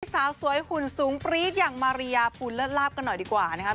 สาวสวยหุ่นสูงปรี๊ดอย่างมาริยาภูลเลิศลาบกันหน่อยดีกว่านะครับ